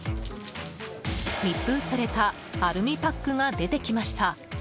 密封されたアルミパックが出てきました。